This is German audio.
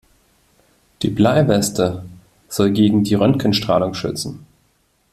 Die Bleiweste soll gegen die Röntgenstrahlung schützen.